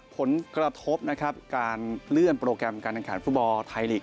ผลกระทบการเลื่อนโปรแกรมการอังกษาฟุตบอลไทยหลีก